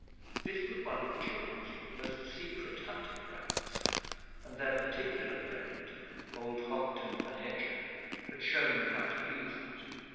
This was one of the children's most secret hunting grounds, and their particular friend, old Hobden the hedger, had shown them how to use it.